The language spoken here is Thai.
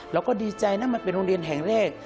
เราก็ดีใจนะมันเป็นโรงเรียนแห่งแรก